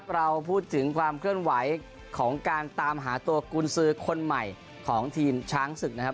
เราพูดถึงความเคลื่อนไหวของการตามหาตัวกุญสือคนใหม่ของทีมช้างศึกนะครับ